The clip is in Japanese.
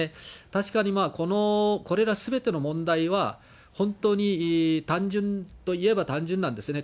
確かにこれらすべての問題は、本当に単純といえば単純なんですね。